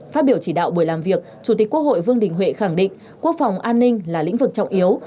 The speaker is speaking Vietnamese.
phát biểu chỉ đạo buổi làm việc chủ tịch quốc hội vương đình huệ khẳng định quốc phòng an ninh là lĩnh vực trọng yếu